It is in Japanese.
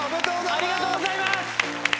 ありがとうございます！